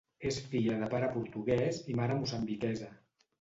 És filla de pare portuguès i mare moçambiquesa.